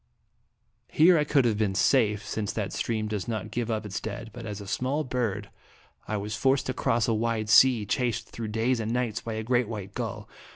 Here I could have been safe, since that stream does not give up its dead, but as a small bird I was forced to cross a wide sea, chased through days and nights by a great white gull.